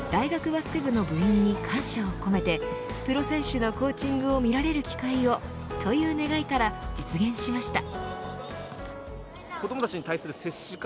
バスケ部の部員に感謝を込めてプロ選手のコーチングを見られる機会を、という願いから実現しました。